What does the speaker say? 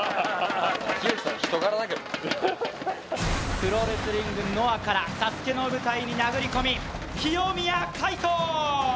プロレスリング・ノアからＳＡＳＵＫＥの舞台に殴り込み清宮海斗！